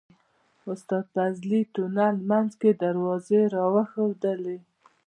استاد فضلي تونل منځ کې دروازې راوښودلې.